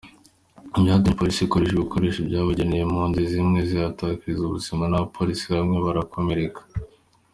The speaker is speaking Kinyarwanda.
Ibyo byatumye, Polisi ikoresha ibikoresho byabugenewe impunzi zimwe zihatakariza ubuzima n’abapolisi bamwe barakomereka.